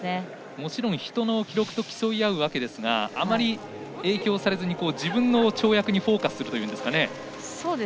もちろん、人の記録と競い合うわけですがあまり影響されずに自分の跳躍にフォーカスするというか。